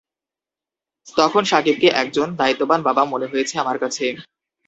তখন শাকিবকে একজন দায়িত্ববান বাবা মনে হয়েছে আমার কাছে।